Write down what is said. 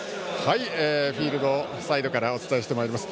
フィールドサイドからお伝えします。